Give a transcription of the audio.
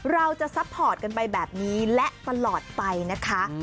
ซัพพอร์ตกันไปแบบนี้และตลอดไปนะคะ